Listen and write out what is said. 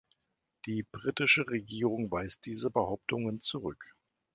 Die britische Regierung weist diese Behauptungen zurück.